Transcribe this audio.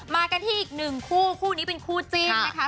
มากันที่อีกหนึ่งคู่คู่นี้เป็นคู่จิ้นนะคะ